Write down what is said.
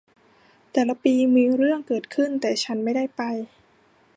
แต่ละปีมีเรื่องเกิดขึ้น แต่ฉันไม่ได้ไป